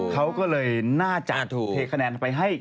เขาก็เลยน่าจะถูกเทคะแนนไปให้